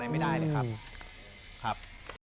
ไม่ได้นะครับ